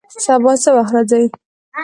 سبا څه وخت راځئ؟